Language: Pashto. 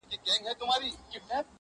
په قصاب چي دي وس نه رسېږي وروره!.